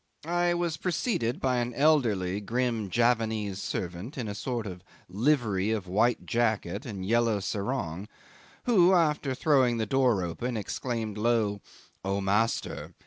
I was preceded by an elderly grim Javanese servant in a sort of livery of white jacket and yellow sarong, who, after throwing the door open, exclaimed low, "O master!"